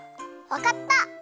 わかった！